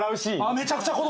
めちゃくちゃ子供。